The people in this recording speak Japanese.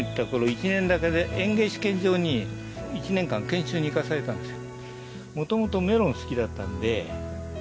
１年だけ園芸試験場に１年間研修に行かされたんですよ。